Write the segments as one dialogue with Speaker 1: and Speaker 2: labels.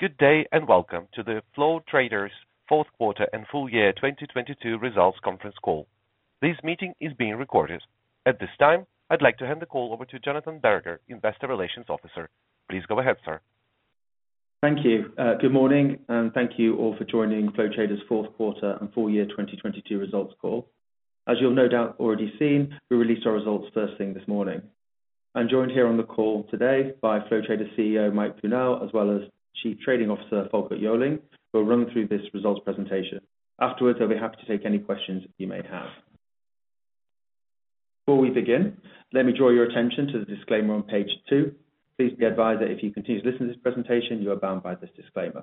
Speaker 1: Good day, and welcome to the Flow Traders fourth quarter and full year 2022 results conference call. This meeting is being recorded. At this time, I'd like to hand the call over to Jonathan Berger, investor relations officer. Please go ahead sir.
Speaker 2: Thank you. Good morning, and thank you all for joining Flow Traders fourth quarter and full year 2022 results call. As you'll no doubt already seen, we released our results first thing this morning. I'm joined here on the call today by Flow Traders CEO, Mike Kuehnel, as well as Chief Trading Officer, Folkert Joling, who will run through this results presentation. Afterwards, they'll be happy to take any questions you may have. Before we begin, let me draw your attention to the disclaimer on page two. Please be advised that if you continue to listen to this presentation, you are bound by this disclaimer.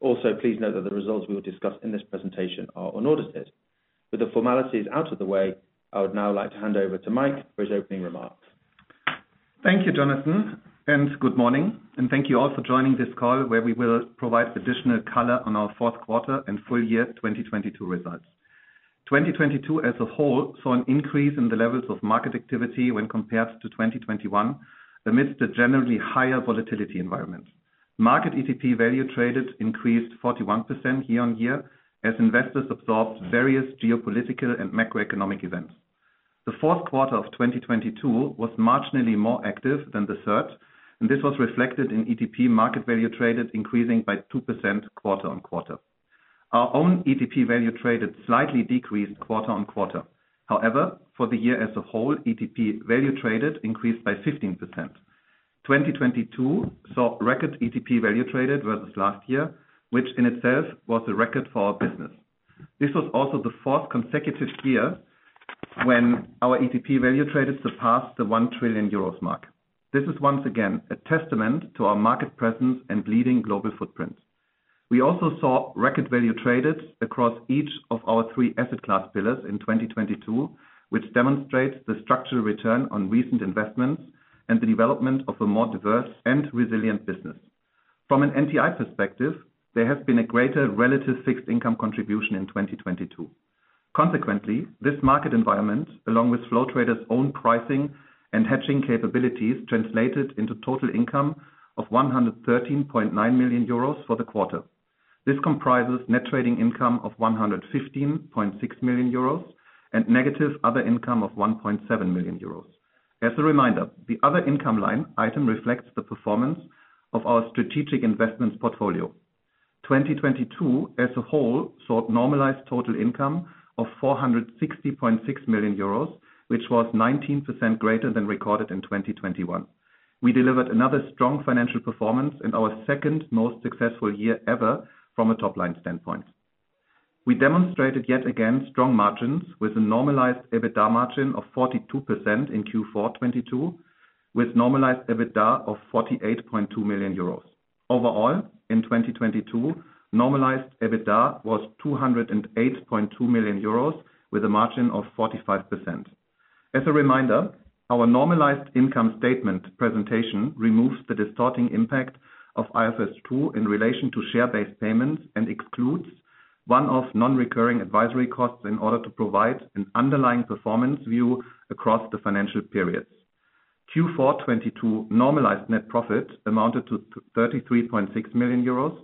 Speaker 2: Also, please note that the results we will discuss in this presentation are unaudited. With the formalities out of the way, I would now like to hand over to Mike for his opening remarks.
Speaker 3: Thank you, Jonathan, good morning, and thank you all for joining this call where we will provide additional color on our fourth quarter and full year 2022 results. 2022 as a whole saw an increase in the levels of market activity when compared to 2021, amidst a generally higher volatility environment. Market ETP value traded increased 41% year-on-year as investors absorbed various geopolitical and macroeconomic events. The fourth quarter of 2022 was marginally more active than the third, this was reflected in ETP market value traded increasing by 2% quarter-on-quarter. Our own ETP value traded slightly decreased quarter-on-quarter. However, for the year as a whole, ETP value traded increased by 15%. 2022 saw record ETP value traded versus last year, which in itself was a record for our business. This was also the fourth consecutive year when our ETP value traded surpassed the 1 trillion euros mark. This is once again a testament to our market presence and leading global footprint. We also saw record value traded across each of our three asset class pillars in 2022, which demonstrates the structural return on recent investments and the development of a more diverse and resilient business. From an NTI perspective, there has been a greater relative fixed income contribution in 2022. This market environment, along with Flow Traders' own pricing and hedging capabilities, translated into total income of 113.9 million euros for the quarter. This comprises net trading income of 115.6 million euros and negative other income of 1.7 million euros. As a reminder, the other income line item reflects the performance of our strategic investments portfolio. 2022 as a whole saw normalized total income of 460.6 million euros, which was 19% greater than recorded in 2021. We delivered another strong financial performance in our second most successful year ever from a top-line standpoint. We demonstrated yet again strong margins with a normalized EBITDA margin of 42% in Q4 2022, with normalized EBITDA of 48.2 million euros. In 2022, normalized EBITDA was 208.2 million euros with a margin of 45%. As a reminder, our normalized income statement presentation removes the distorting impact of IFRS 2 in relation to share-based payments and excludes one of non-recurring advisory costs in order to provide an underlying performance view across the financial periods. Q4 2022 normalized net profit amounted to 33.6 million euros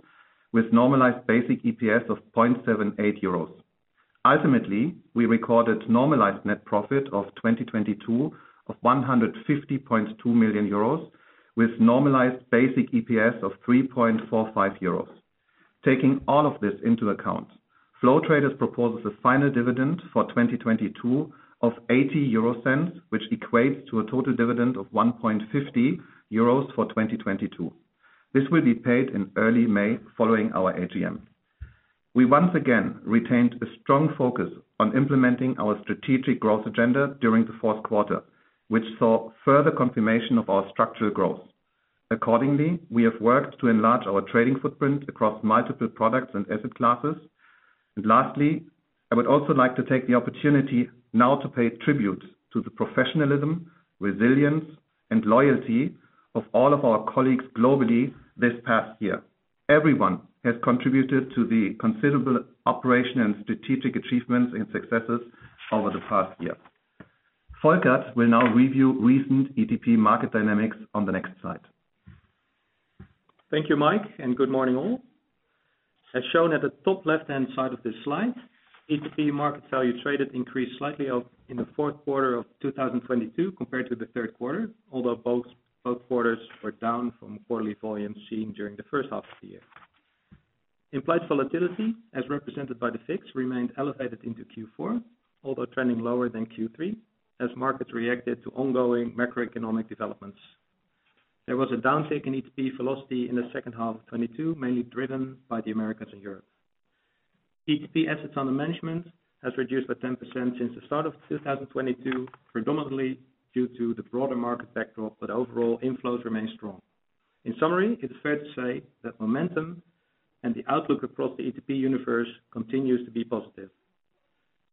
Speaker 3: with normalized basic EPS of 0.78 euros. Ultimately, we recorded normalized net profit of 2022 of 150.2 million euros with normalized basic EPS of 3.45 euros. Taking all of this into account, Flow Traders proposes a final dividend for 2022 of 0.80, which equates to a total dividend of 1.50 euros for 2022. This will be paid in early May following our AGM. We once again retained a strong focus on implementing our strategic growth agenda during the fourth quarter, which saw further confirmation of our structural growth. Accordingly, we have worked to enlarge our trading footprint across multiple products and asset classes. And lastly, I would also like to take the opportunity now to pay tribute to the professionalism, resilience, and loyalty of all of our colleagues globally this past year. Everyone has contributed to the considerable operation and strategic achievements and successes over the past year. Folkert will now review recent ETP market dynamics on the next slide.
Speaker 4: Thank you, Mike, and good morning all. As shown at the top left-hand side of this slide, ETP market value traded increased slightly in the fourth quarter of 2022 compared to the third quarter. Although both quarters were down from quarterly volumes seen during the first half of the year. Implied volatility, as represented by the VIX, remained elevated into Q4, although trending lower than Q3 as markets reacted to ongoing macroeconomic developments. There was a downtick in ETP velocity in the second half of 2022, mainly driven by the Americas and Europe. ETP assets under management has reduced by 10% since the start of 2022, predominantly due to the broader market backdrop, overall inflows remain strong. In summary, it's fair to say that momentum and the outlook across the ETP universe continues to be positive.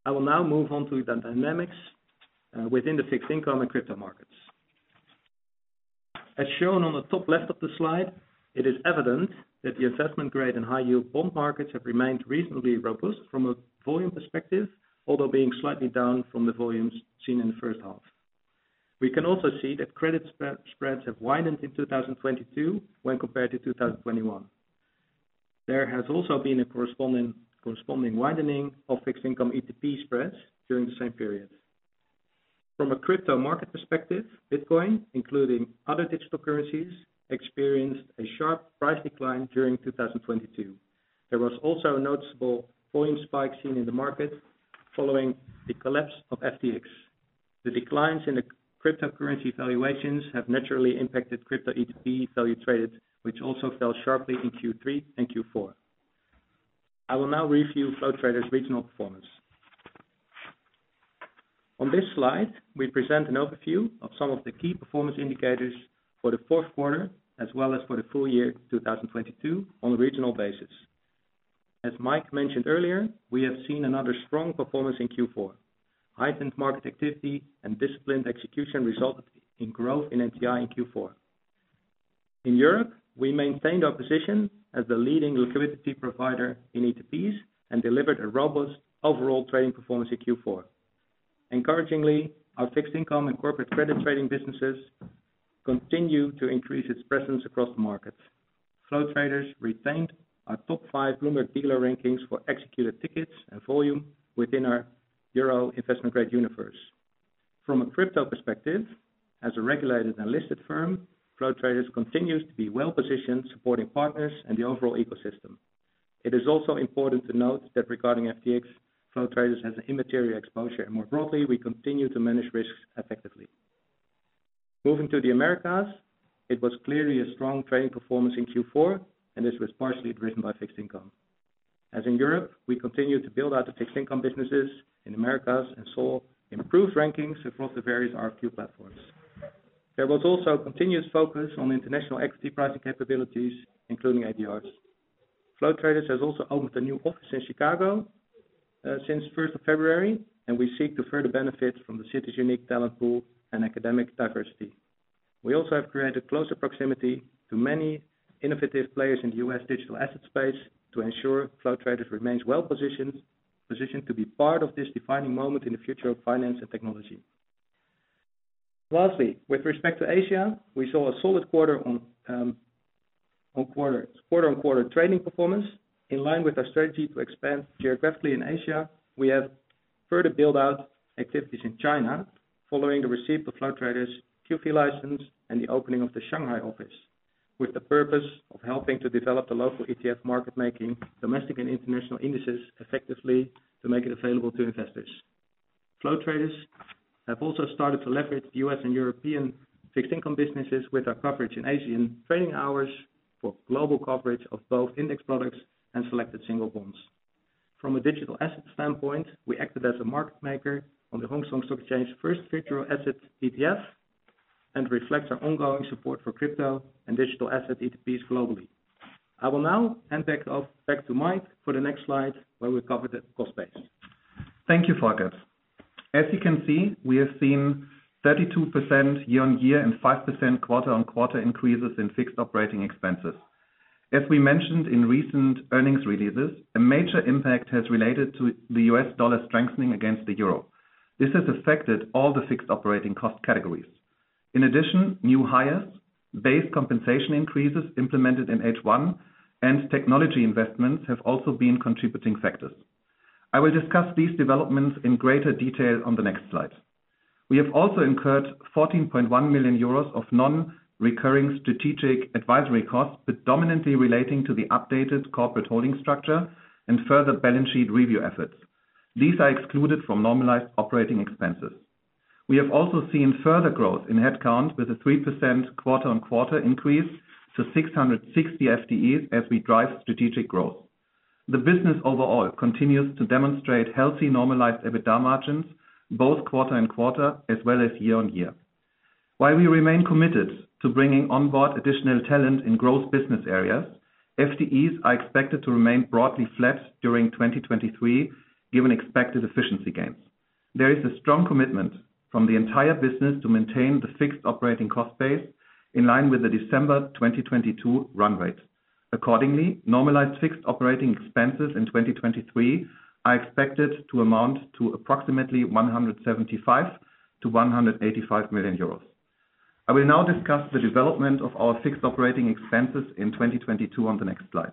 Speaker 4: I will now move on to the dynamics within the fixed income and crypto markets. As shown on the top left of the slide, it is evident that the investment grade and high yield bond markets have remained reasonably robust from a volume perspective, although being slightly down from the volumes seen in the first half. We can also see that credit spreads have widened in 2022 when compared to 2021. There has also been a corresponding widening of fixed income ETP spreads during the same period. From a crypto market perspective, Bitcoin, including other digital currencies, experienced a sharp price decline during 2022. There was also a noticeable volume spike seen in the market following the collapse of FTX. The declines in the cryptocurrency valuations have naturally impacted crypto ETP value traded, which also fell sharply in Q3 and Q4. I will now review Flow Traders regional performance. On this slide, we present an overview of some of the key performance indicators for the fourth quarter as well as for the full year 2022 on a regional basis. As Mike mentioned earlier, we have seen another strong performance in Q4. Heightened market activity and disciplined execution resulted in growth in NTI in Q4. In Europe, we maintained our position as the leading liquidity provider in ETPs and delivered a robust overall trading performance in Q4. Encouragingly, our fixed income and corporate credit trading businesses continue to increase its presence across the market. Flow Traders retained our top 5 Bloomberg dealer rankings for executed tickets and volume within our Euro investment grade universe. From a crypto perspective, as a regulated and listed firm, Flow Traders continues to be well-positioned, supporting partners and the overall ecosystem. It is also important to note that regarding FTX, Flow Traders has an immaterial exposure. More broadly, we continue to manage risks effectively. Moving to the Americas, it was clearly a strong trading performance in Q4. This was partially driven by fixed income. As in Europe, we continue to build out the fixed income businesses in Americas and saw improved rankings across the various RFQ platforms. There was also continuous focus on international equity pricing capabilities, including ADRs. Flow Traders has also opened a new office in Chicago since first of February. We seek to further benefit from the city's unique talent pool and academic diversity. We also have created closer proximity to many innovative players in the U.S. digital asset space to ensure Flow Traders remains well-positioned to be part of this defining moment in the future of finance and technology. Lastly, with respect to Asia, we saw a solid quarter-on-quarter trading performance. In line with our strategy to expand geographically in Asia, we have further built out activities in China following the receipt of Flow Traders QFII license and the opening of the Shanghai office, with the purpose of helping to develop the local ETF market, making domestic and international indices effectively to make it available to investors. Flow Traders have also started to leverage the U.S. and European fixed income businesses with our coverage in Asian trading hours for global coverage of both index products and selected single bonds. From a digital asset standpoint, we acted as a market maker on the Hong Kong Stock Exchange first virtual asset ETF, and reflects our ongoing support for crypto and digital asset ETPs globally. I will now hand back off back to Mike, for the next slide where we cover the cost base.
Speaker 3: Thank you, Folkert. As you can see, we have seen 32% year-on-year and 5% quarter-on-quarter increases in fixed OpEx. As we mentioned in recent earnings releases, a major impact has related to the U.S. dollar strengthening against the euro. This has affected all the fixed OpEx categories. In addition, new hires, base compensation increases implemented in H1, and technology investments have also been contributing factors. I will discuss these developments in greater detail on the next slide. We have also incurred 14.1 million euros of non-recurring strategic advisory costs, predominantly relating to the updated corporate holding structure and further balance sheet review efforts. These are excluded from normalized OpEx. We have also seen further growth in headcount with a 3% quarter-on-quarter increase to 660 FTEs as we drive strategic growth. The business overall continues to demonstrate healthy normalized EBITDA margins, both quarter on quarter as well as year on year. While we remain committed to bringing on board additional talent in growth business areas, FTEs are expected to remain broadly flat during 2023, given expected efficiency gains. There is a strong commitment from the entire business to maintain the fixed operating cost base in line with the December 2022 run rate. Accordingly, normalized fixed operating expenses in 2023 are expected to amount to approximately 175 million-185 million euros. I will now discuss the development of our fixed operating expenses in 2022 on the next slide.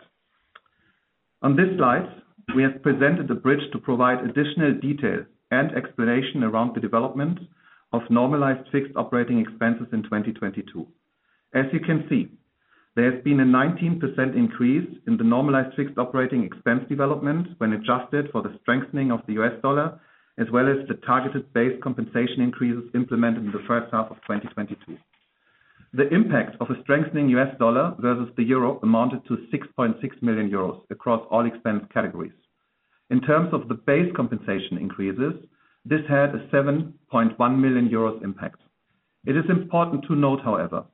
Speaker 3: On this slide, we have presented a bridge to provide additional detail and explanation around the development of normalized fixed operating expenses in 2022. As you can see, there has been a 19% increase in the normalized fixed operating expense development when adjusted for the strengthening of the U.S. Dollar, as well as the targeted base compensation increases implemented in the first half of 2022. The impact of a strengthening US dollar versus the euro amounted to 6.6 million euros across all expense categories. In terms of the base compensation increases, this had a 7.1 million euros impact. It is important to note, however,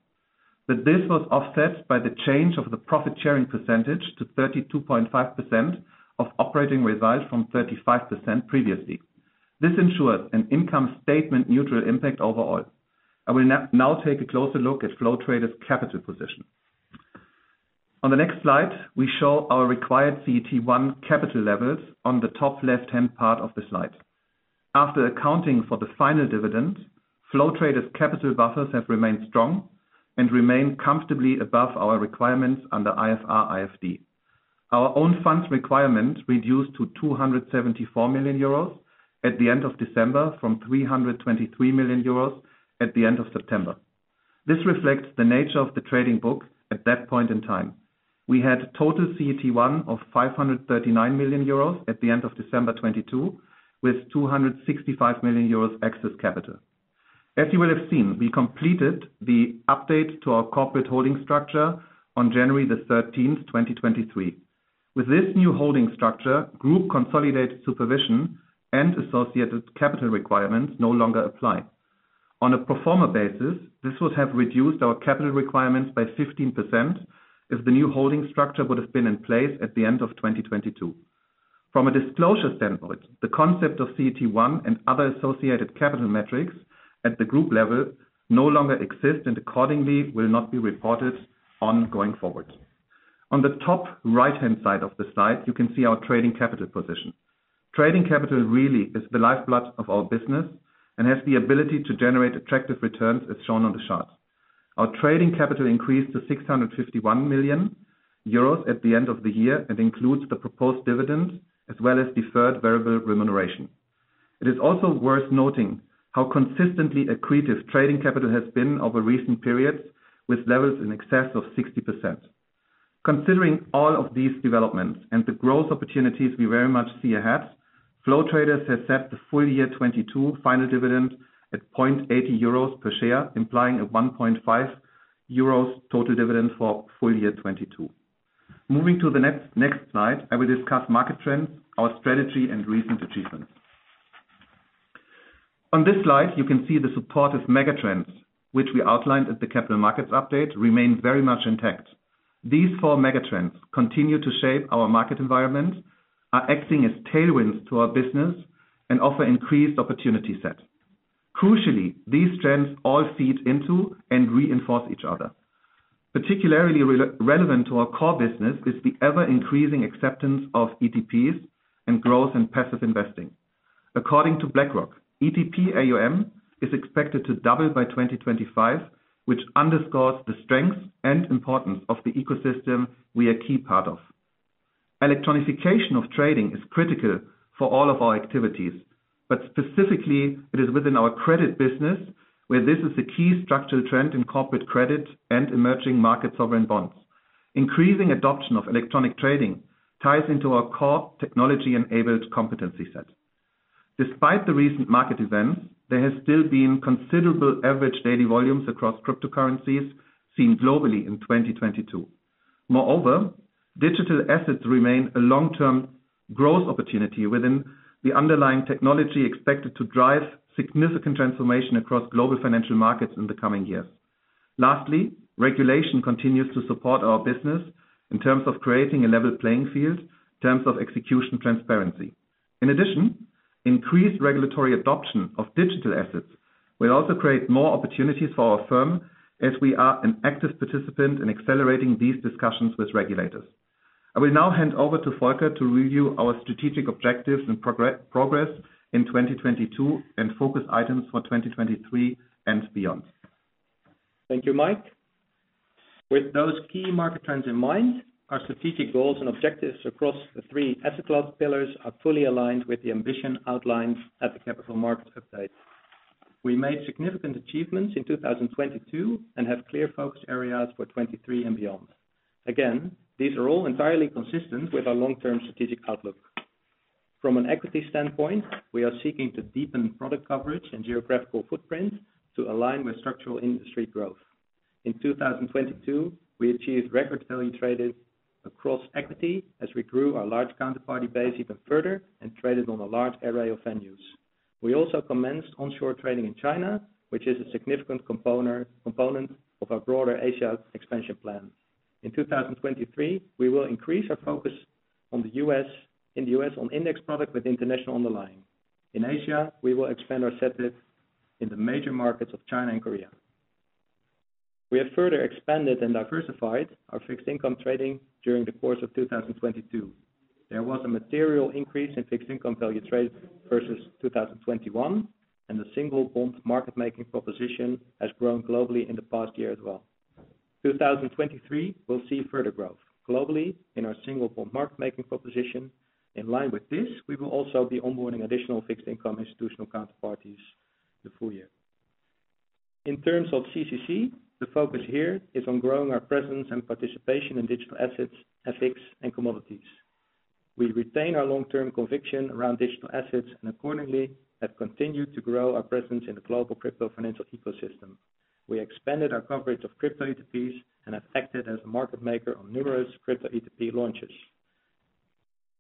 Speaker 3: that this was offset by the change of the profit-sharing percentage to 32.5% of operating results from 35% previously. This ensures an income statement neutral impact overall. I will now take a closer look at Flow Traders' capital position. On the next slide, we show our required CET1 capital levels on the top left-hand part of the slide. After accounting for the final dividend, Flow Traders' capital buffers have remained strong and remain comfortably above our requirements under IFR/IFD. Our own funds requirement reduced to 274 million euros at the end of December from 323 million euros at the end of September. This reflects the nature of the trading book at that point in time. We had total CET1 of 539 million euros at the end of December 2022, with 265 million euros excess capital. As you will have seen, we completed the update to our corporate holding structure on January 13th, 2023. With this new holding structure, group consolidated supervision and associated capital requirements no longer apply. On a pro forma basis, this would have reduced our capital requirements by 15% if the new holding structure would have been in place at the end of 2022. From a disclosure standpoint, the concept of CET1 and other associated capital metrics at the group level no longer exist, accordingly, will not be reported on going forward. On the top right-hand side of the slide, you can see our trading capital position. Trading capital really is the lifeblood of our business and has the ability to generate attractive returns, as shown on the chart. Our trading capital increased to 651 million euros at the end of the year, includes the proposed dividend as well as deferred variable remuneration. It is also worth noting how consistently accretive trading capital has been over recent periods with levels in excess of 60%. Considering all of these developments and the growth opportunities we very much see ahead, Flow Traders has set the full year 2022 final dividend at 0.80 euros per share, implying a 1.5 euros total dividend for full year 2022. Moving to the next slide, I will discuss market trends, our strategy, and recent achievements. On this slide, you can see the supportive mega-trends which we outlined at the capital markets update remain very much intact. These four mega-trends continue to shape our market environment, are acting as tailwinds to our business, and offer increased opportunity set. Crucially, these trends all feed into and reinforce each other. Particularly re-relevant to our core business is the ever-increasing acceptance of ETPs and growth in passive investing. According to BlackRock, ETP AUM is expected to double by 2025, which underscores the strength and importance of the ecosystem we are key part of. Electronification of trading is critical for all of our activities, but specifically it is within our credit business where this is the key structural trend in corporate credit and emerging market sovereign bonds. Increasing adoption of electronic trading ties into our core technology-enabled competency set. Despite the recent market events, there has still been considerable average daily volumes across cryptocurrencies seen globally in 2022. Digital assets remain a long-term growth opportunity within the underlying technology expected to drive significant transformation across global financial markets in the coming years. Regulation continues to support our business in terms of creating a level playing field, in terms of execution transparency. In addition, increased regulatory adoption of digital assets will also create more opportunities for our firm as we are an active participant in accelerating these discussions with regulators. I will now hand over to Folkert to review our strategic objectives and progress in 2022 and focus items for 2023 and beyond.
Speaker 4: Thank you Mike. With those key market trends in mind, our strategic goals and objectives across the three asset class pillars are fully aligned with the ambition outlined at the capital markets update. We made significant achievements in 2022 and have clear focus areas for 2023 and beyond. These are all entirely consistent with our long-term strategic outlook. From an equity standpoint, we are seeking to deepen product coverage and geographical footprint to align with structural industry growth. In 2022, we achieved record value traded across equity as we grew our large counterparty base even further and traded on a large array of venues. We also commenced onshore trading in China, which is a significant component of our broader Asia expansion plan. In 2023, we will increase our focus in the U.S. on index product with international underlying. In Asia, we will expand our footprint in the major markets of China and Korea. We have further expanded and diversified our fixed income trading during the course of 2022. There was a material increase in fixed income value trade versus 2021, and the single bond market making proposition has grown globally in the past year as well. 2023 will see further growth globally in our single bond market making proposition. In line with this, we will also be onboarding additional fixed income institutional counterparties the full year. In terms of CCC, the focus here is on growing our presence and participation in digital assets, FX, and commodities. We retain our long-term conviction around digital assets and accordingly have continued to grow our presence in the global crypto financial ecosystem. We expanded our coverage of crypto ETPs and have acted as a market maker on numerous crypto ETP launches.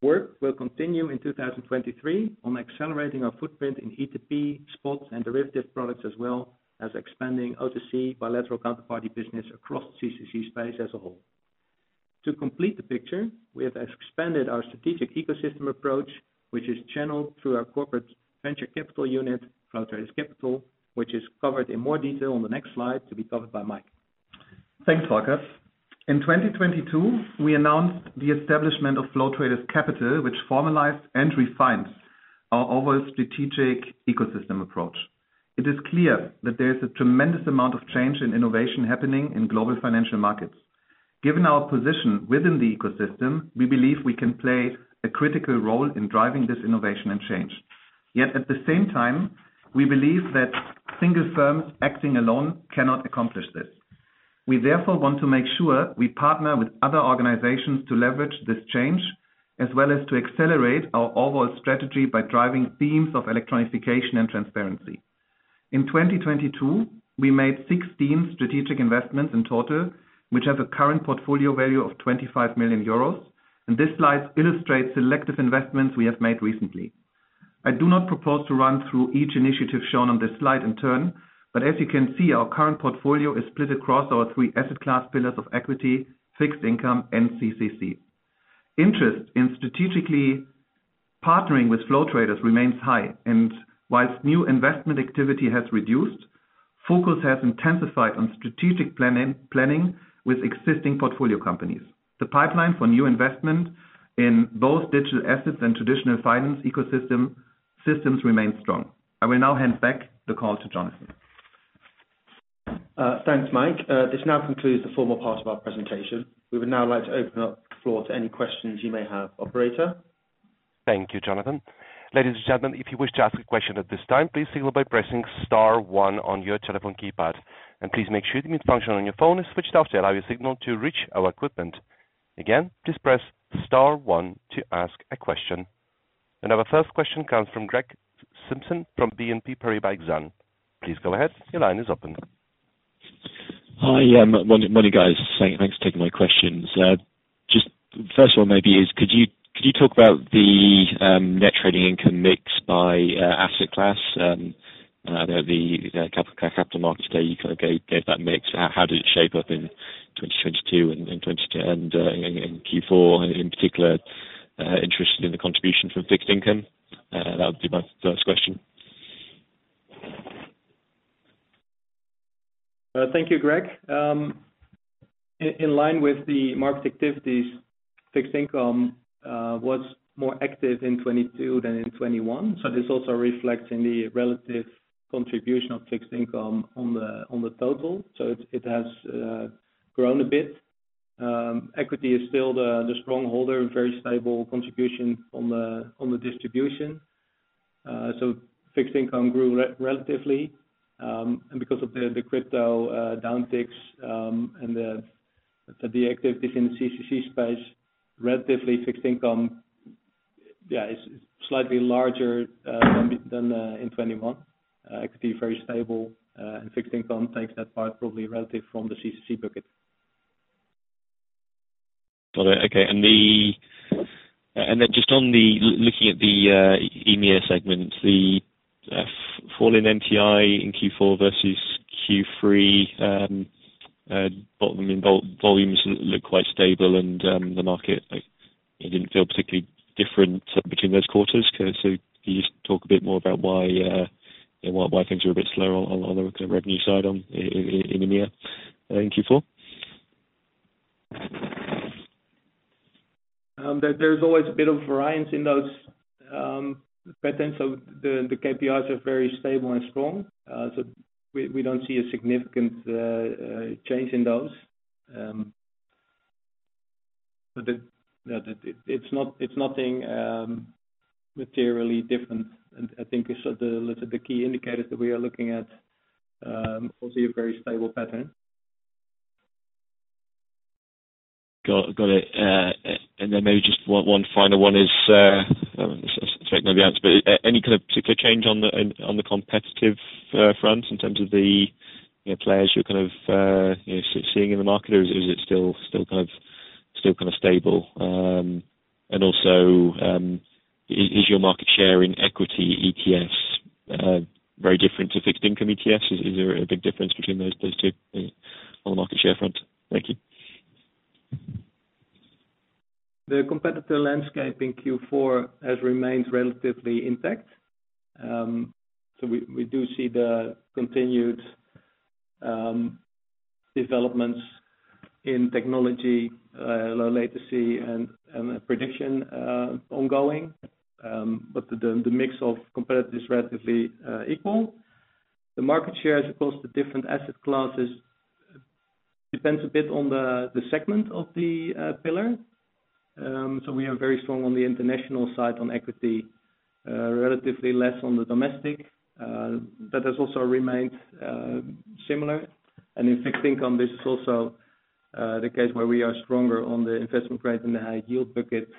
Speaker 4: Work will continue in 2023 on accelerating our footprint in ETP spots and derivative products, as well as expanding OTC bilateral counterparty business across CCC space as a whole. To complete the picture, we have expanded our strategic ecosystem approach, which is channeled through our corporate venture capital unit, Flow Traders Capital, which is covered in more detail on the next slide to be covered by Mike.
Speaker 3: Thanks Folkert. In 2022, we announced the establishment of Flow Traders Capital, which formalized and refined our overall strategic ecosystem approach. It is clear that there is a tremendous amount of change in innovation happening in global financial markets. Given our position within the ecosystem, we believe we can play a critical role in driving this innovation and change. At the same time, we believe that single firms acting alone cannot accomplish this. We therefore want to make sure we partner with other organizations to leverage this change, as well as to accelerate our overall strategy by driving themes of electronification and transparency. In 2022, we made 16 strategic investments in total, which have a current portfolio value of 25 million euros. This slide illustrates selective investments we have made recently. I do not propose to run through each initiative shown on this slide in turn, as you can see, our current portfolio is split across our three asset class pillars of equity, fixed income, and CCC. Interest in strategically partnering with Flow Traders remains high, whilst new investment activity has reduced, focus has intensified on strategic planning with existing portfolio companies. The pipeline for new investment in both digital assets and traditional finance ecosystems remain strong. I will now hand back the call to Jonathan.
Speaker 2: Thanks Mike. This now concludes the formal part of our presentation. We would now like to open up the floor to any questions you may have. Operator.
Speaker 1: Thank you Jonathan. Ladies and gentlemen, if you wish to ask a question at this time, please signal by pressing star one on your telephone keypad. Please make sure the mute function on your phone is switched off to allow your signal to reach our equipment. Again, please press star one to ask a question. Our first question comes from Gregory Simpson from BNP Paribas Exane. Please go ahead. Your line is open.
Speaker 5: Hi. Morning, guys. Thanks for taking my questions. Just first of all maybe is could you talk about the net trading income mix by asset class? The capital markets today, you kind of gave that mix. How does it shape up in 2022 and in Q4 in particular, interested in the contribution from fixed income? That would be my first question.
Speaker 4: Thank you Greg. In line with the market activities, fixed income was more active in 2022 than in 2021. This also reflects in the relative contribution of fixed income on the total. It has grown a bit. Equity is still the strong holder and very stable contribution on the distribution. Fixed income grew relatively and because of the crypto downticks and the activities in the CCC space, relatively fixed income is slightly larger than in 2021. Equity very stable and fixed income takes that part probably relative from the CCC bucket.
Speaker 5: Got it. Okay. Just on the looking at the EMEA segment, the fall in NTI in Q4 versus Q3, I mean, volumes look quite stable and the market, like, it didn't feel particularly different between those quarters. Could you just talk a bit more about why, you know, why things are a bit slower on the revenue side in EMEA in Q4?
Speaker 4: There's always a bit of variance in those patterns. The the KPIs are very stable and strong. We, we don't see a significant change in those. No, it's not, it's nothing materially different. I think it's the key indicators that we are looking at, also a very stable pattern.
Speaker 5: Got it. Got it. Then maybe just one final one is, I don't think there's going to be an answer, but any kind of particular change on the competitive front in terms of the, you know, players you're kind of, you know, seeing in the market, or is it still kind of stable? Also, is your market share in equity ETFs very different to fixed income ETFs? Is there a big difference between those two on the market share front? Thank you.
Speaker 4: The competitor landscape in Q4 has remained relatively intact. We do see the continued developments in technology, low latency and prediction ongoing. The mix of competitors is relatively equal. The market share as opposed to different asset classes depends a bit on the segment of the pillar. We are very strong on the international side on equity, relatively less on the domestic, but has also remained similar. In fixed income, this is also the case where we are stronger on the investment grade and the high yield bucket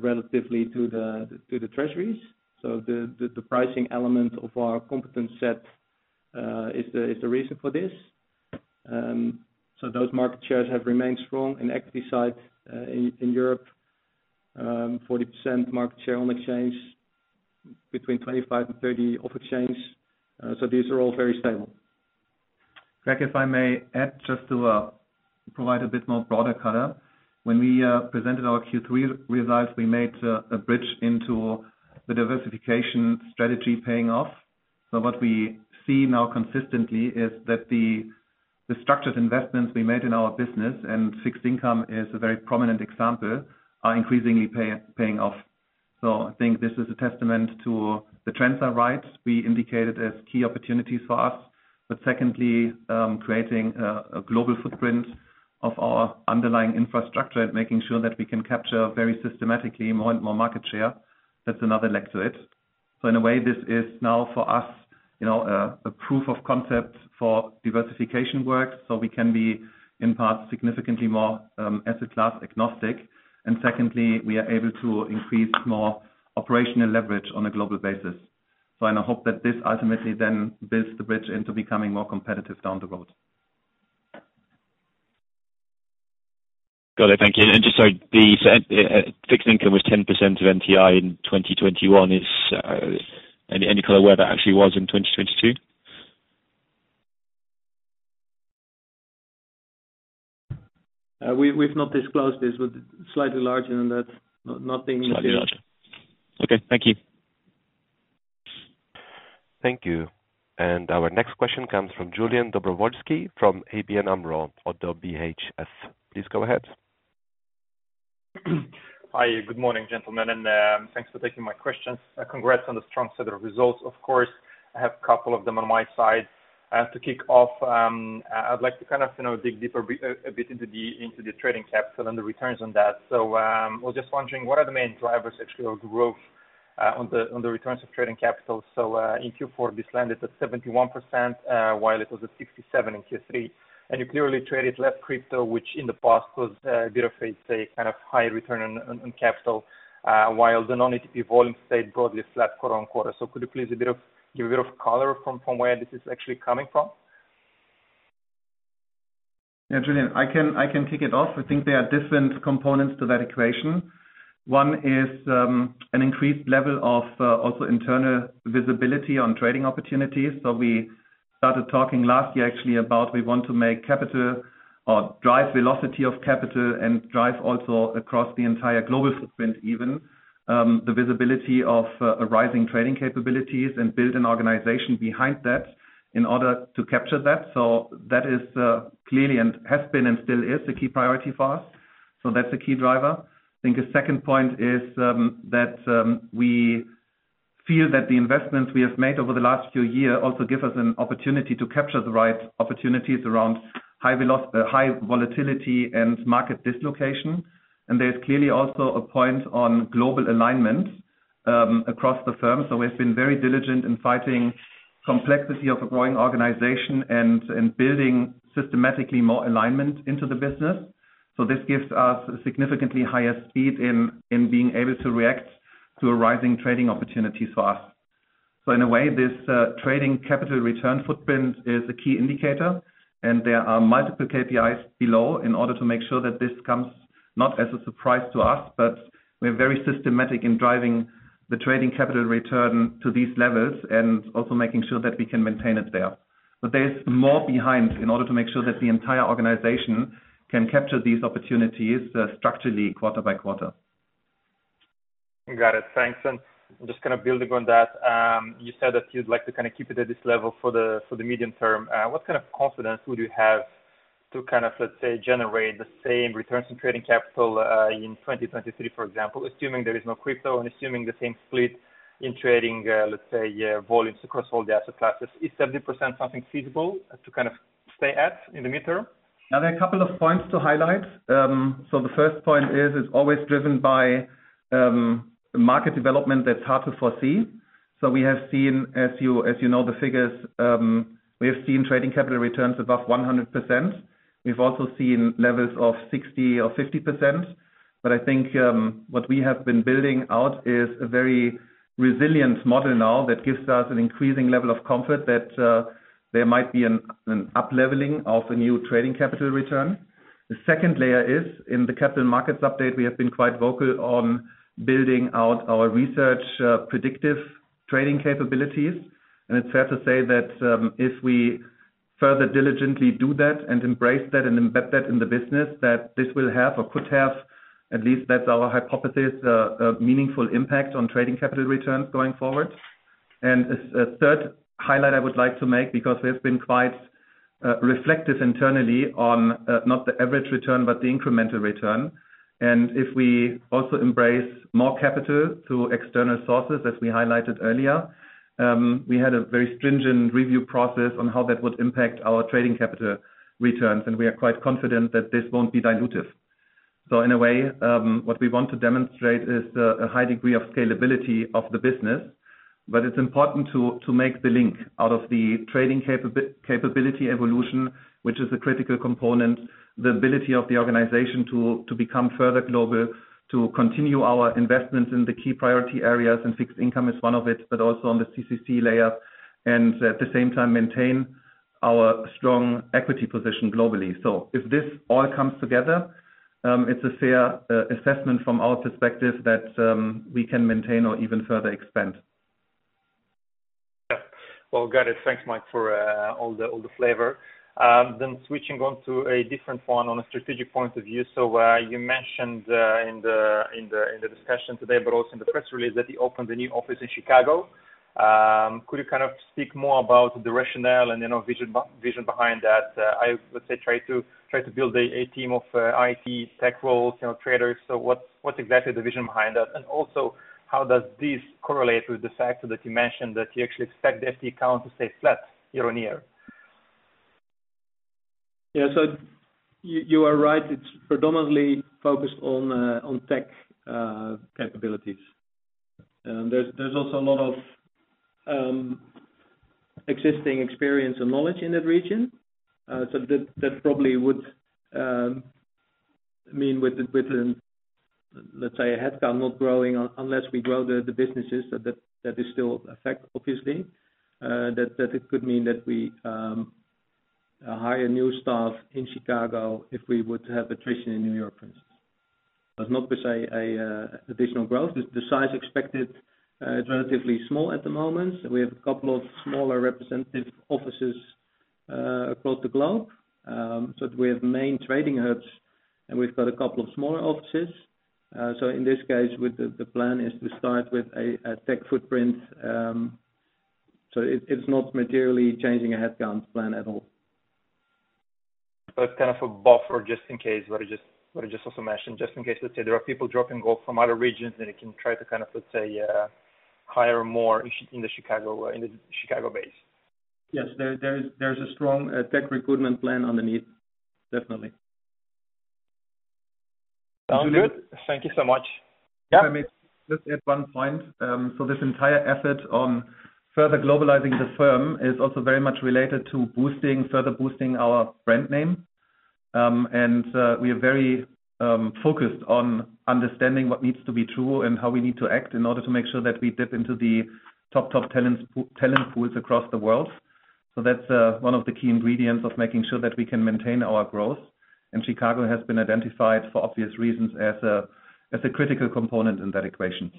Speaker 4: relatively to the Treasuries. The pricing element of our competent set is the reason for this. Those market shares have remained strong in equity side, in Europe, 40% market share on exchange. Between 25 and 30 of exchange. These are all very stable.
Speaker 3: Greg, if I may add just to provide a bit more broader color. When we presented our Q3 results, we made a bridge into the diversification strategy paying off. What we see now consistently is that the structured investments we made in our business, and fixed income is a very prominent example, are increasingly paying off. I think this is a testament to the trends are right. We indicated as key opportunities for us. Secondly, creating a global footprint of our underlying infrastructure and making sure that we can capture very systematically, more and more market share. That's another leg to it. In a way, this is now for us, you know, a proof of concept for diversification work, so we can be in part significantly more as a class agnostic. Secondly, we are able to increase more operational leverage on a global basis. I hope that this ultimately then builds the bridge into becoming more competitive down the road.
Speaker 5: Got it thank you. Just so the fixed income was 10% of NTI in 2021. Is any color where that actually was in 2022?
Speaker 3: We've not disclosed this, but slightly larger than that. Nothing material.
Speaker 5: Slightly larger. Okay. Thank you.
Speaker 1: Thank you. Our next question comes from Julian Dobrovolschi, from ABN AMRO ODDO BHF. Please go ahead.
Speaker 6: Hi good morning gentlemen, thanks for taking my questions. Congrats on the strong set of results, of course. I have a couple of them on my side. To kick off, I'd like to kind of, you know, dig deeper a bit into the trading capital and the returns on that. I was just wondering, what are the main drivers actually of growth on the returns of trading capital? In Q4, this landed at 71%, while it was at 67% in Q3. You clearly traded less crypto, which in the past was a bit of a kind of high return on capital, while the non-ETP volume stayed broadly flat quarter-on-quarter. Could you please give a bit of color from where this is actually coming from?
Speaker 3: Yeah Julian, I can kick it off. I think there are different components to that equation. One is an increased level of also internal visibility on trading opportunities. We started talking last year, actually, about we want to make capital or drive velocity of capital and drive also across the entire global footprint even, the visibility of arising trading capabilities and build an organization behind that in order to capture that. That is clearly and has been and still is the key priority for us. That's a key driver. I think a second point is that we feel that the investments we have made over the last few year also give us an opportunity to capture the right opportunities around high volatility and market dislocation. There's clearly also a point on global alignment, across the firm. We've been very diligent in fighting complexity of a growing organization and building systematically more alignment into the business. This gives us significantly higher speed in being able to react to arising trading opportunities for us. In a way, this trading capital return footprint is a key indicator, and there are multiple KPIs below in order to make sure that this comes not as a surprise to us, but we're very systematic in driving the trading capital return to these levels and also making sure that we can maintain it there. There's more behind in order to make sure that the entire organization can capture these opportunities, structurally quarter by quarter.
Speaker 6: Got it thanks. Just kind of building on that, you said that you'd like to kind of keep it at this level for the medium term. What kind of confidence would you have to kind of, let's say, generate the same returns in trading capital in 2023, for example, assuming there is no crypto and assuming the same split in trading, let's say, volumes across all the asset classes. Is 30% something feasible to kind of stay at in the mid-term?
Speaker 3: There are a couple of points to highlight. The first point is, it's always driven by market development that's hard to foresee. We have seen, as you, as you know, the figures, we have seen trading capital returns above 100%. We've also seen levels of 60% or 50%. I think, what we have been building out is a very resilient model now that gives us an increasing level of comfort that there might be an up-leveling of a new trading capital return. The second layer is in the capital markets update, we have been quite vocal on building out our research, predictive trading capabilities. It's fair to say that, if we further diligently do that and embrace that and embed that in the business, that this will have or could have, at least that's our hypothesis, a meaningful impact on trading capital returns going forward. As a third highlight I would like to make, because we have been quite reflective internally on not the average return, but the incremental return. If we also embrace more capital to external sources, as we highlighted earlier, we had a very stringent review process on how that would impact our trading capital returns, and we are quite confident that this won't be dilutive. In a way, what we want to demonstrate is a high degree of scalability of the business. It's important to make the link out of the trading capability evolution, which is a critical component, the ability of the organization to become further global, to continue our investments in the key priority areas, and fixed income is one of it, but also on the CCC layer. At the same time, maintain our strong equity position globally. If this all comes together. It's a fair assessment from our perspective that we can maintain or even further expand.
Speaker 6: Yeah. Well got it. Thanks Mike for all the, all the flavor. Switching on to a different one on a strategic point of view. You mentioned, in the, in the, in the discussion today, but also in the press release that you opened a new office in Chicago. Could you kind of speak more about the rationale and, you know, vision behind that? I, let's say, try to build a team of, IT tech roles, you know, traders. What's exactly the vision behind that? How does this correlate with the fact that you mentioned that you actually expect the FTE account to stay flat year-on-year?
Speaker 4: You are right. It's predominantly focused on tech capabilities. There's also a lot of existing experience and knowledge in that region. That probably would mean with the, with the, let's say, a head count not growing unless we grow the businesses. That is still a fact, obviously. That it could mean that we hire new staff in Chicago if we would have attrition in New York, for instance. Not with additional growth. The size expected is relatively small at the moment. We have a couple of smaller representative offices across the globe. We have main trading hubs, and we've got a couple of smaller offices. In this case, with the plan is to start with a tech footprint, so it's not materially changing a headcount plan at all.
Speaker 6: It's kind of a buffer just in case, what I just also mentioned, just in case, let's say there are people dropping off from other regions, then you can try to kind of, let's say, hire more in the Chicago base.
Speaker 4: Yes. There's a strong tech recruitment plan underneath. Definitely.
Speaker 6: Sounds good. Thank you so much.
Speaker 4: Yeah.
Speaker 3: If I may just add one point. This entire effort on further globalizing the firm is also very much related to boosting, further boosting our brand name. We are very focused on understanding what needs to be true and how we need to act in order to make sure that we dip into the top talent pools across the world. That's one of the key ingredients of making sure that we can maintain our growth. Chicago has been identified for obvious reasons as a critical component in that equation.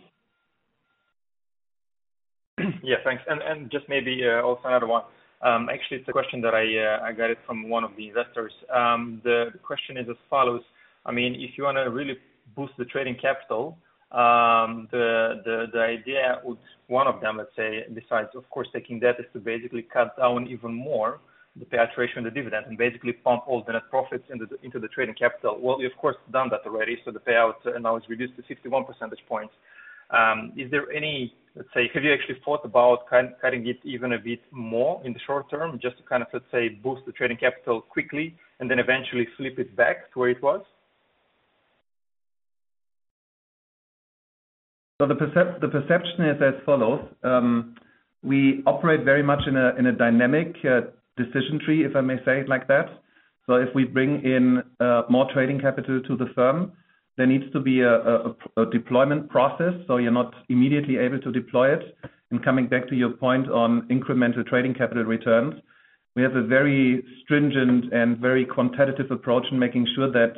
Speaker 6: Yeah thanks. Just maybe also add one. Actually, it's a question that I got it from one of the investors. The question is as follows: I mean, if you wanna really boost the trading capital, the idea with one of them, let's say, besides of course taking debt, is to basically cut down even more the payout ratio and the dividend, and basically pump all the net profits into the trading capital. You of course done that already, so the payout now is reduced to 61 percentage points. Have you actually thought about cutting it even a bit more in the short term just to kind of, let's say, boost the trading capital quickly and then eventually flip it back to where it was?
Speaker 3: The perception is as follows. We operate very much in a dynamic decision tree, if I may say it like that. If we bring in more trading capital to the firm, there needs to be a deployment process, so you're not immediately able to deploy it. Coming back to your point on incremental trading capital returns, we have a very stringent and very competitive approach in making sure that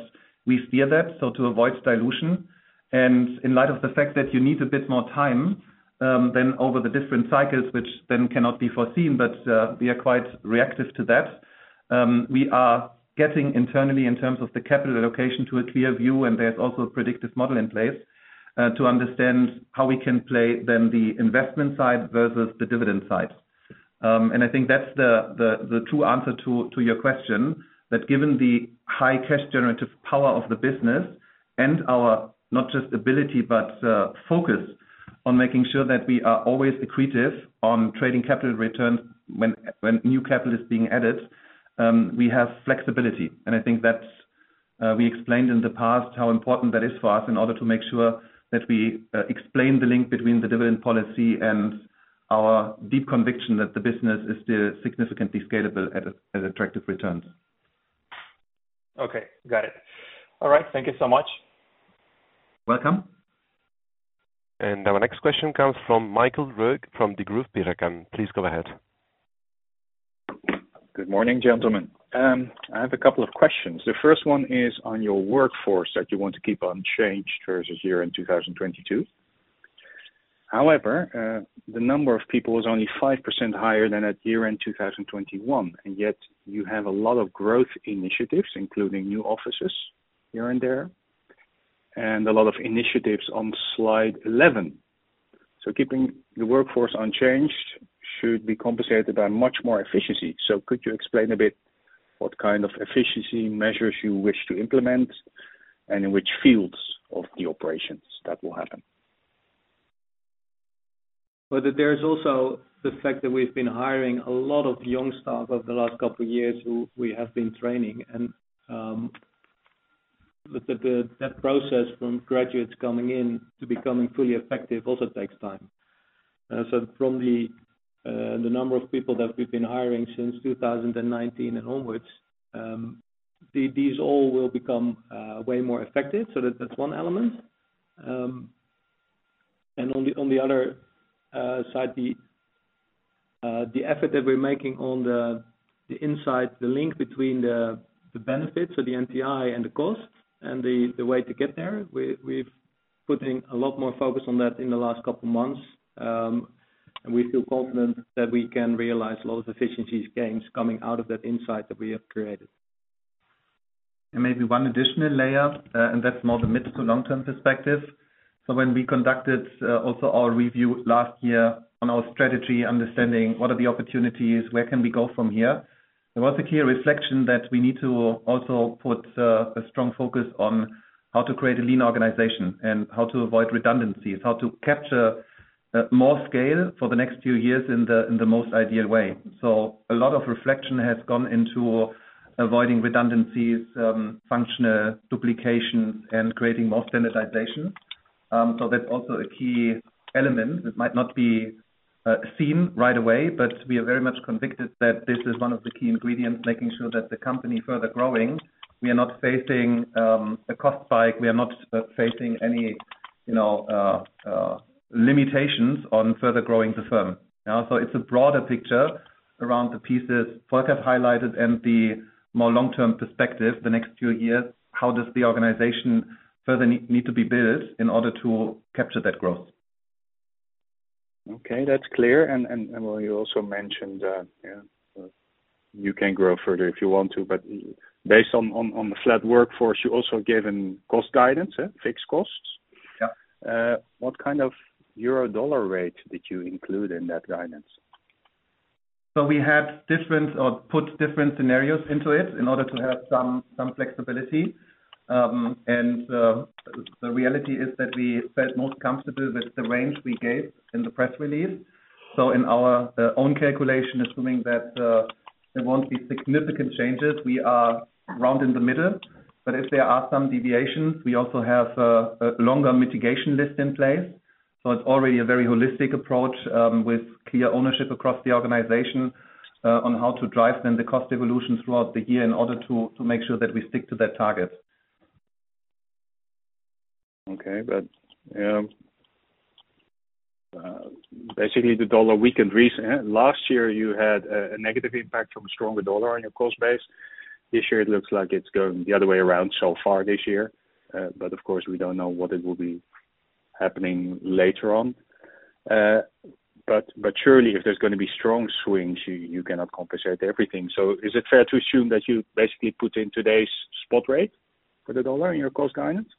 Speaker 3: we steer that, so to avoid dilution. In light of the fact that you need a bit more time, over the different cycles, which cannot be foreseen, we are quite reactive to that. We are getting internally in terms of the capital allocation to a clear view, and there's also a predictive model in place to understand how we can play then the investment side versus the dividend side. I think that's the true answer to your question, that given the high cash generative power of the business and our not just ability, but focus on making sure that we are always accretive on trading capital returns when new capital is being added, we have flexibility. I think that's we explained in the past how important that is for us in order to make sure that we explain the link between the dividend policy and our deep conviction that the business is still significantly scalable at attractive returns.
Speaker 6: Okay got it. All right thank you so much.
Speaker 3: Welcome.
Speaker 1: Our next question comes from Michael Roeg from Degroof Petercam. Please go ahead.
Speaker 7: Good morning gentlemen. I have a couple of questions. The first one is on your workforce that you want to keep unchanged versus year-end 2022. However, the number of people is only 5% higher than at year-end 2021, and yet you have a lot of growth initiatives, including new offices here and there, and a lot of initiatives on slide 11. Keeping the workforce unchanged should be compensated by much more efficiency. Could you explain a bit what kind of efficiency measures you wish to implement and in which fields of the operations that will happen?
Speaker 4: There is also the fact that we've been hiring a lot of young staff over the last couple years who we have been training. That process from graduates coming in to becoming fully effective also takes time. From the number of people that we've been hiring since 2019 and onwards, these all will become way more effective. That's one element. On the, on the other side, the effort that we're making on the inside, the link between the benefits of the NTI and the cost and the way to get there, we've putting a lot more focus on that in the last couple months, and we feel confident that we can realize a lot of efficiencies gains coming out of that insight that we have created.
Speaker 3: Maybe one additional layer, that's more the mid to long-term perspective. When we conducted also our review last year on our strategy, understanding what are the opportunities, where can we go from here? There was a clear reflection that we need to also put a strong focus on how to create a lean organization and how to avoid redundancies, how to capture more scale for the next few years in the most ideal way. A lot of reflection has gone into avoiding redundancies, functional duplications, and creating more standardization. That's also a key element that might not be seen right away, but we are very much convicted that this is one of the key ingredients, making sure that the company further growing. We are not facing a cost spike. We are not facing any, you know, limitations on further growing the firm. It's a broader picture around the pieces Folkert highlighted and the more long-term perspective, the next few years, how does the organization further need to be built in order to capture that growth?
Speaker 7: Okay that's clear. Mike you also mentioned you can grow further if you want to, but based on the flat workforce, you also gave a cost guidance, fixed costs.
Speaker 3: Yeah.
Speaker 7: What kind of Euro-Dollar rate did you include in that guidance?
Speaker 3: We had different or put different scenarios into it in order to have some flexibility. The reality is that we felt most comfortable with the range we gave in the press release. In our own calculation, assuming that there won't be significant changes, we are round in the middle. If there are some deviations, we also have a longer mitigation list in place. It's already a very holistic approach, with clear ownership across the organization, on how to drive then the cost evolution throughout the year in order to make sure that we stick to that target.
Speaker 7: Okay. Basically the U.S. dollar weakened recent. Last year, you had a negative impact from a stronger U.S. dollar on your cost base. This year, it looks like it's going the other way around so far this year. Of course, we don't know what it will be happening later on. Surely, if there's gonna be strong swings, you cannot compensate everything. Is it fair to assume that you basically put in today's spot rate for the U.S. dollar in your cost guidance?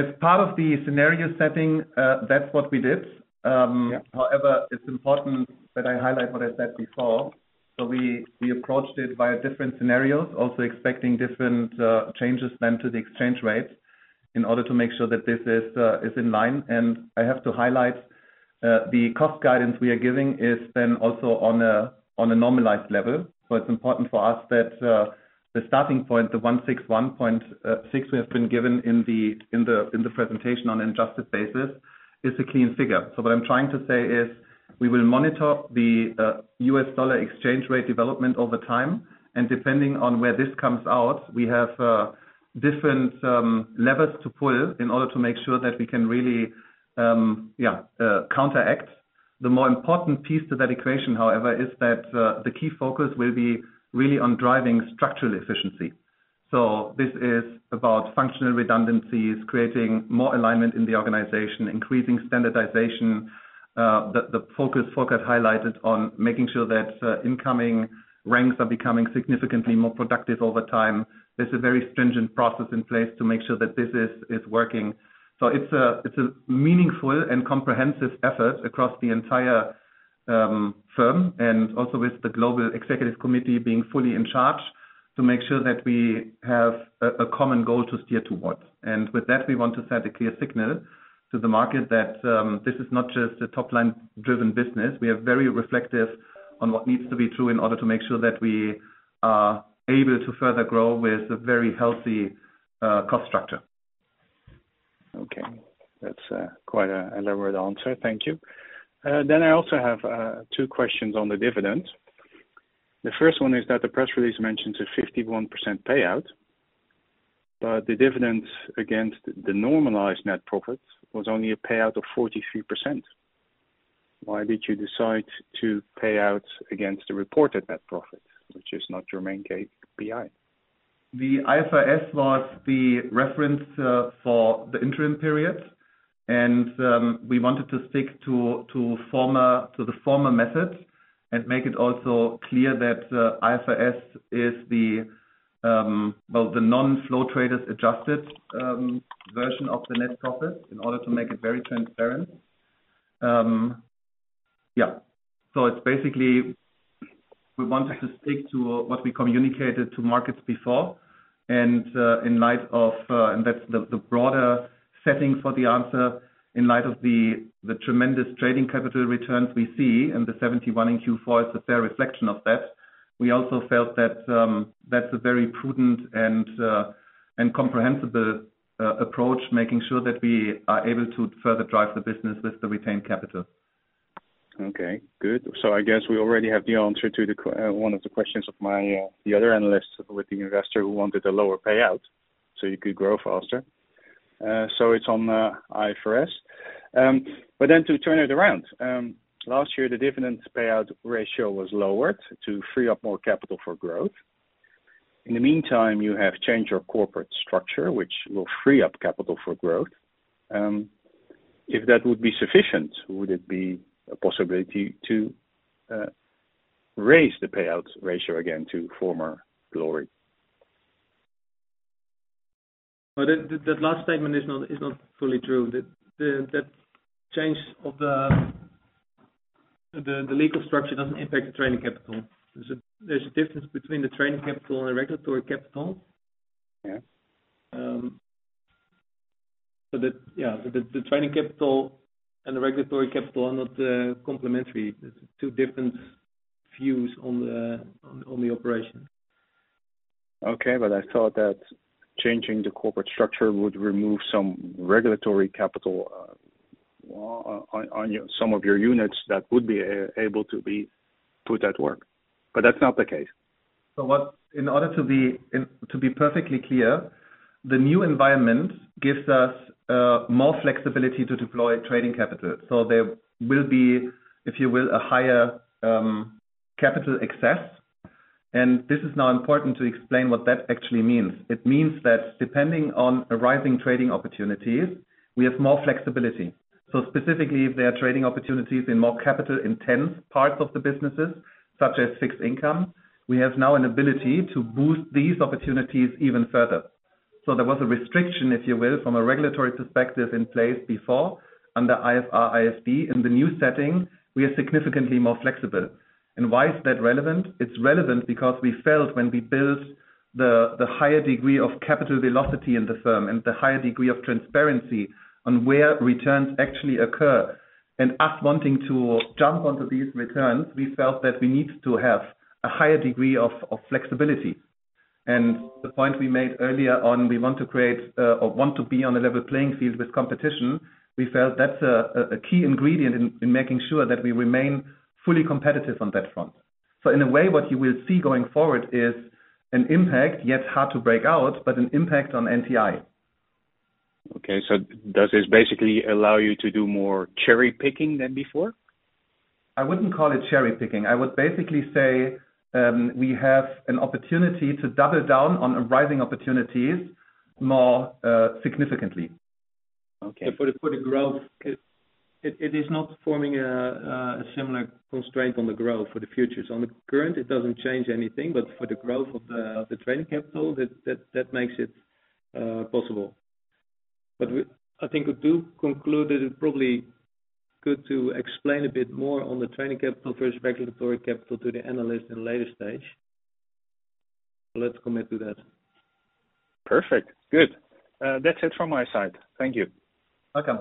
Speaker 4: As part of the scenario setting, that's what we did. It's important that I highlight what I said before. We approached it via different scenarios, also expecting different changes then to the exchange rates in order to make sure that this is in line. I have to highlight, the cost guidance we are giving is then also on a normalized level. It's important for us that the starting point, the 161.6 we have been given in the presentation on adjusted basis is a clean figure.
Speaker 3: What I'm trying to say is we will monitor the US dollar exchange rate development over time, and depending on where this comes out, we have different levers to pull in order to make sure that we can really counteract. The more important piece to that equation, however, is that the key focus will be really on driving structural efficiency. This is about functional redundancies, creating more alignment in the organization, increasing standardization. The focus Folkert highlighted on making sure that incoming ranks are becoming significantly more productive over time. There's a very stringent process in place to make sure that this is working. It's a meaningful and comprehensive effort across the entire firm and also with the global executive committee being fully in charge to make sure that we have a common goal to steer towards. With that, we want to send a clear signal to the market that this is not just a top-line-driven business. We are very reflective on what needs to be true in order to make sure that we are able to further grow with a very healthy cost structure.
Speaker 7: Okay. That's quite an elaborate answer thank you. I also have two questions on the dividend. The first one is that the press release mentions a 51% payout, but the dividend against the normalized net profits was only a payout of 43%. Why did you decide to pay out against the reported net profit, which is not your main KPI?
Speaker 3: The IFRS was the reference for the interim period. We wanted to stick to the former methods and make it also clear that IFRS is the, well, the non-Flow Traders adjusted version of the net profit in order to make it very transparent. Yeah. It's basically we wanted to stick to what we communicated to markets before. In light of, and that's the broader setting for the answer, in light of the tremendous trading capital returns we see, and the 71 in Q4 is a fair reflection of that. We also felt that that's a very prudent and comprehensible approach, making sure that we are able to further drive the business with the retained capital.
Speaker 7: Okay good. I guess we already have the answer to one of the questions of my, the other analysts with the investor who wanted a lower payout so you could grow faster. It's on the IFRS. To turn it around, last year the dividends payout ratio was lowered to free up more capital for growth. In the meantime, you have changed your corporate structure, which will free up capital for growth. If that would be sufficient, would it be a possibility to raise the payout ratio again to former glory?
Speaker 4: That last statement is not fully true. That change of the legal structure doesn't impact the trading capital. There's a difference between the trading capital and the regulatory capital.
Speaker 7: Yeah.
Speaker 4: Yeah, the trading capital and the regulatory capital are not complementary. Two different views on the operation.
Speaker 7: Okay. I thought that changing the corporate structure would remove some regulatory capital, on your some of your units that would be able to be put at work, but that's not the case.
Speaker 3: In order to be perfectly clear, the new environment gives us more flexibility to deploy trading capital. There will be, if you will, a higher capital excess. This is now important to explain what that actually means. It means that depending on arising trading opportunities, we have more flexibility. Specifically, if there are trading opportunities in more capital intense parts of the businesses such as fixed income, we have now an ability to boost these opportunities even further. There was a restriction, if you will, from a regulatory perspective in place before under IASB. In the new setting, we are significantly more flexible. Why is that relevant? It's relevant because we felt when we built the higher degree of capital velocity in the firm and the higher degree of transparency on where returns actually occur, and us wanting to jump onto these returns, we felt that we need to have a higher degree of flexibility. The point we made earlier on, we want to create or want to be on a level playing field with competition. We felt that's a key ingredient in making sure that we remain fully competitive on that front. In a way, what you will see going forward is an impact, yet hard to break out, but an impact on NTI.
Speaker 7: Okay. Does this basically allow you to do more cherry-picking than before?
Speaker 3: I wouldn't call it cherry-picking. I would basically say, we have an opportunity to double down on arising opportunities more significantly.
Speaker 7: Okay.
Speaker 4: For the growth, it is not forming a similar constraint on the growth for the future. On the current, it doesn't change anything, but for the growth of the trading capital, that makes it possible. I think to conclude it probably good to explain a bit more on the trading capital versus regulatory capital to the analyst in later stage. Let's commit to that.
Speaker 7: Perfect. Good. That's it from my side. Thank you.
Speaker 4: Welcome.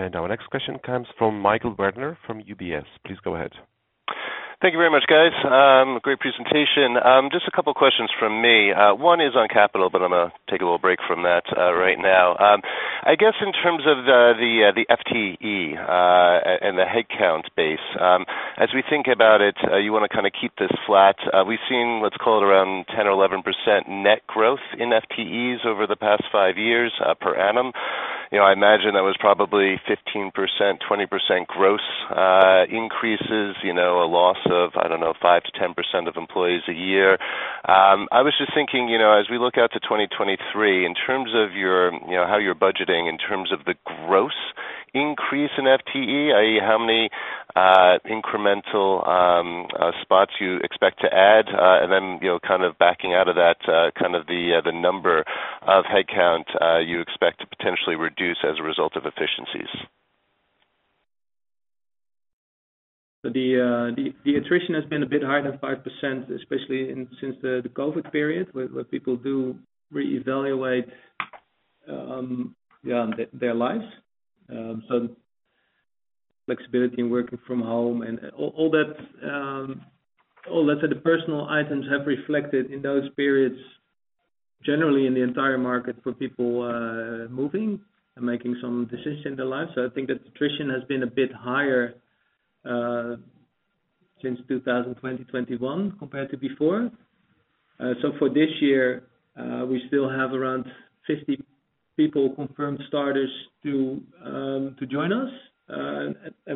Speaker 1: Our next question comes from Michael Werner from UBS. Please go ahead.
Speaker 8: Thank you very much guys. Great presentation. Just a couple questions from me. One is on capital. I'm gonna take a little break from that right now. I guess in terms of the FTE, and the headcount base, as we think about it, you wanna kinda keep this flat. We've seen what's called around 10% or 11% net growth in FTEs over the past five years per annum. You know, I imagine that was probably 15%, 20% gross increases, you know, a loss of, I don't know, 5%-10% of employees a year. I was just thinking, you know, as we look out to 2023, in terms of your, you know, how you're budgeting in terms of the gross increase in FTE, i.e., how many incremental spots you expect to add, and then, you know, kind of backing out of that, kind of the number of headcount you expect to potentially reduce as a result of efficiencies.
Speaker 4: The attrition has been a bit higher than 5%, especially since the COVID period, where people do reevaluate their lives. Flexibility in working from home and all that, all, let's say, the personal items have reflected in those periods, generally in the entire market for people moving and making some decisions in their lives. I think the attrition has been a bit higher since 2020/2021 compared to before. For this year, we still have around 50 people confirmed starters to join us.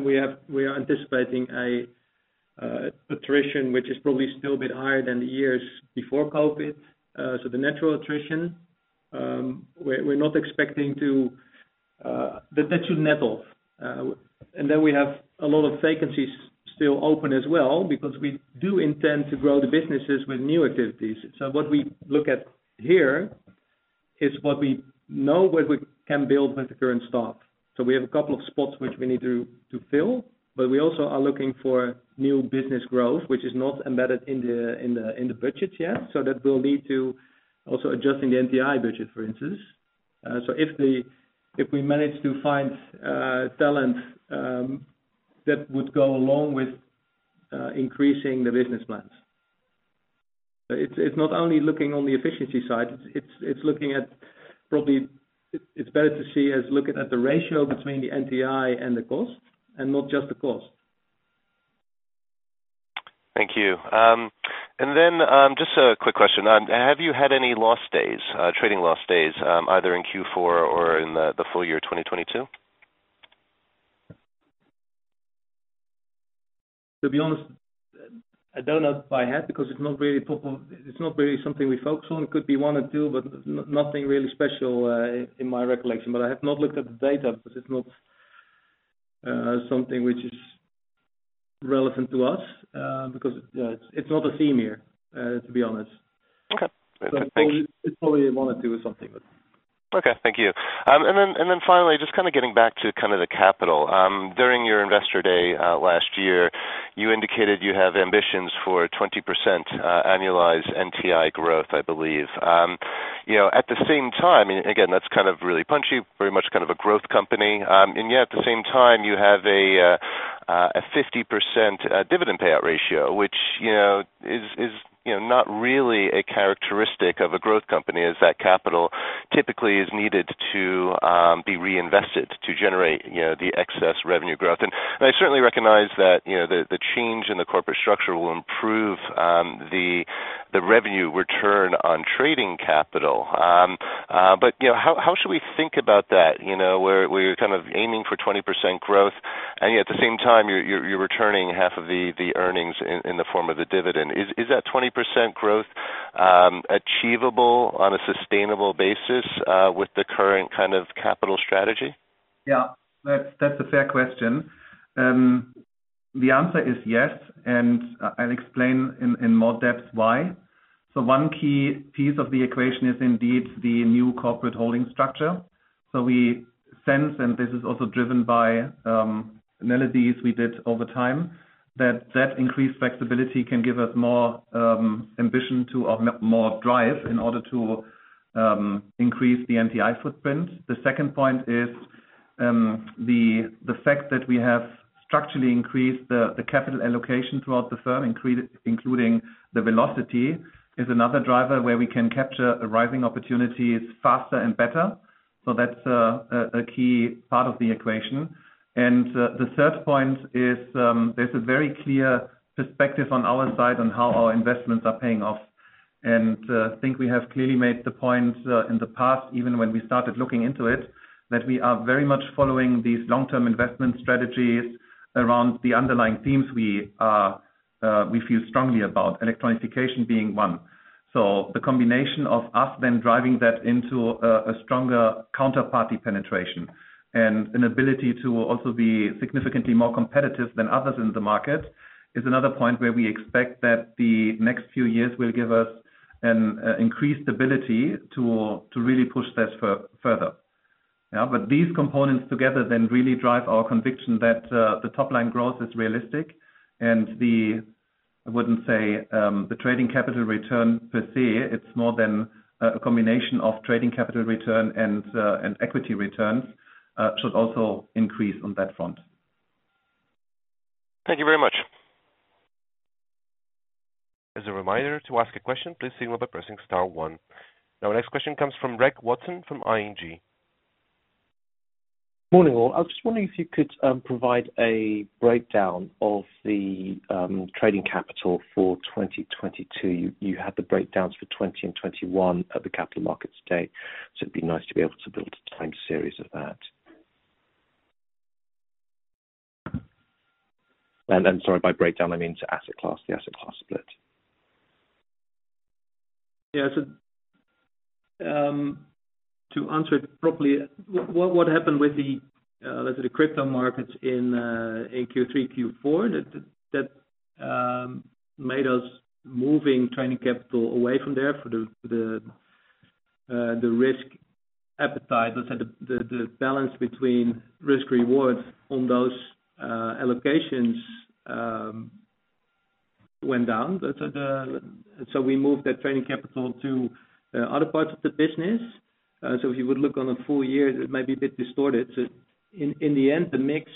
Speaker 4: We are anticipating a attrition which is probably still a bit higher than the years before COVID. The natural attrition we're not expecting to. That should net off. We have a lot of vacancies still open as well because we do intend to grow the businesses with new activities. What we look at here is what we know, what we can build with the current staff. We have a couple of spots which we need to fill, but we also are looking for new business growth, which is not embedded in the budget yet. That will lead to also adjusting the NTI budget, for instance. If we manage to find talent, that would go along with increasing the business plans.
Speaker 3: It's not only looking on the efficiency side, it's looking at probably. It's better to see as looking at the ratio between the NTI and the cost and not just the cost.
Speaker 8: Thank you. Then, just a quick question. Have you had any loss days, trading loss days, either in Q4 or in the full year, 2022?
Speaker 4: To be honest, I don't know if I have, because it's not really something we focus on. Could be 1 or 2, but nothing really special in my recollection. I have not looked at the data because it's not something which is relevant to us, because it's not a theme here, to be honest.
Speaker 8: Okay thanks.
Speaker 4: It's probably one or two or something, but.
Speaker 8: Okay, thank you. Then finally, just kinda getting back to kind of the capital. During your investor day last year, you indicated you have ambitions for 20% annualized NTI growth, I believe. You know, at the same time, again, that's kind of really punchy, very much kind of a growth company. Yet at the same time, you have a 50% dividend payout ratio, which, you know, is, you know, not really a characteristic of a growth company, as that capital typically is needed to be reinvested to generate, you know, the excess revenue growth. I certainly recognize that, you know, the change in the corporate structure will improve the revenue return on trading capital. You know, how should we think about that? You know, where we're kind of aiming for 20% growth, and yet at the same time, you're returning half of the earnings in the form of the dividend. Is that 20% growth achievable on a sustainable basis with the current kind of capital strategy?
Speaker 3: Yeah, that's a fair question. The answer is yes, I'll explain in more depth why. One key piece of the equation is indeed the new corporate holding structure. We sense, and this is also driven by, analyses we did over time, that that increased flexibility can give us more drive in order to increase the NTI footprint. The second point is the fact that we have structurally increased the capital allocation throughout the firm, including the velocity, is another driver where we can capture arising opportunities faster and better. That's a key part of the equation. The third point is there's a very clear perspective on our side on how our investments are paying off. I think we have clearly made the point in the past, even when we started looking into it, that we are very much following these long-term investment strategies around the underlying themes we feel strongly about, electronicification being one. The combination of us then driving that into a stronger counterparty penetration and an ability to also be significantly more competitive than others in the market is another point where we expect that the next few years will give us an increased ability to really push that further. Yeah. These components together then really drive our conviction that the top line growth is realistic and the... I wouldn't say, the trading capital return per se, it's more than a combination of trading capital return and equity returns should also increase on that front.
Speaker 8: Thank you very much.
Speaker 1: As a reminder, to ask a question, please signal by pressing star one. Our next question comes from Reg Watson from ING.
Speaker 9: Morning all. I was just wondering if you could provide a breakdown of the trading capital for 2022. You had the breakdowns for 20 and 21 at the capital markets day, so it'd be nice to be able to build a time series of that. Sorry, by breakdown, I mean to asset class, the asset class split.
Speaker 4: To answer it properly, what happened with the, let's say, the crypto markets in Q3, Q4, that made us moving trading capital away from there for the risk appetite. Let's say the balance between risk reward on those allocations went down. We moved that trading capital to other parts of the business. If you would look on a full year, that might be a bit distorted. In the end, the mix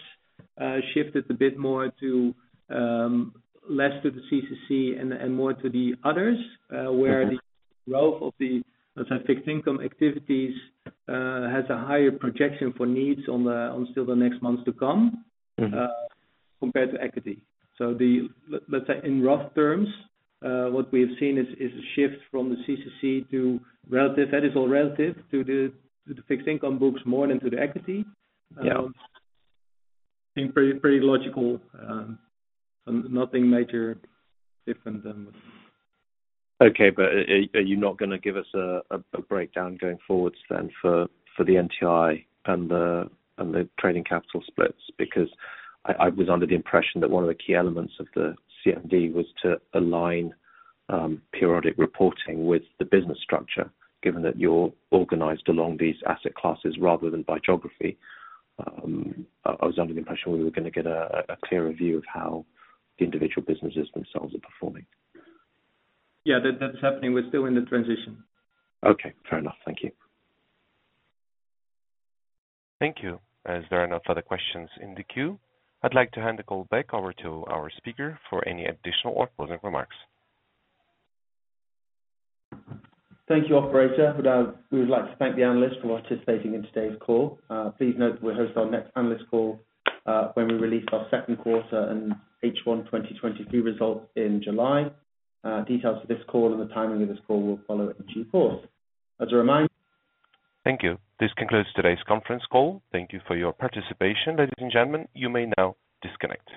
Speaker 4: shifted a bit more to less to the CCC and more to the others-
Speaker 9: Okay.
Speaker 3: Where the growth of the, let's say, fixed income activities, has a higher projection for needs on the, on still the next months to come
Speaker 9: Mm-hmm.
Speaker 3: compared to equity. Let's say in rough terms, what we have seen is a shift from the CCC to relative. That is all relative to the fixed income books more than to the equity.
Speaker 9: Yeah.
Speaker 3: Seem pretty logical. Nothing major different.
Speaker 9: Okay, are you not gonna give us a breakdown going forward then for the NTI and the trading capital splits? Because I was under the impression that one of the key elements of the CMD was to align periodic reporting with the business structure, given that you're organized along these asset classes rather than by geography. I was under the impression we were gonna get a clearer view of how the individual businesses themselves are performing.
Speaker 3: That's happening. We're still in the transition.
Speaker 9: Okay. Fair enough. Thank you.
Speaker 1: Thank you. As there are no further questions in the queue, I'd like to hand the call back over to our speaker for any additional or closing remarks.
Speaker 3: Thank you operator. We would like to thank the analysts for participating in today's call. Please note we'll host our next analyst call when we release our second quarter and H1 2023 results in July. Details for this call and the timing of this call will follow in due course.
Speaker 1: Thank you. This concludes today's conference call. Thank you for your participation. Ladies and gentlemen, you may now disconnect.